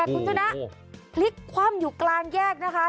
คุณชนะพลิกคว่ำอยู่กลางแยกนะคะ